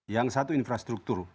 yang satu infrastruktur